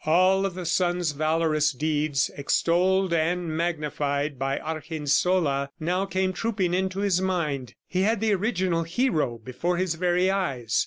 All of the son's valorous deeds, extolled and magnified by Argensola, now came trooping into his mind. He had the original hero before his very eyes.